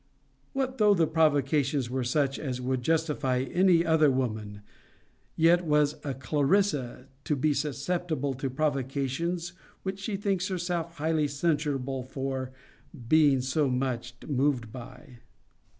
What though the provocations were such as would justify any other woman; yet was a CLARISSA to be susceptible to provocations which she thinks herself highly censurable for being so much moved by?'